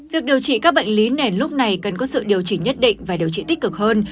việc điều trị các bệnh lý nền lúc này cần có sự điều chỉnh nhất định và điều trị tích cực hơn